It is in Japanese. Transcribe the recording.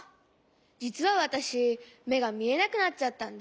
じつはわたしめがみえなくなっちゃったんだ。